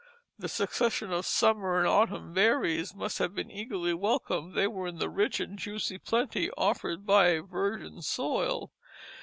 The succession of summer's and autumn's berries must have been eagerly welcomed. They were in the rich and spicy plenty offered by a virgin soil.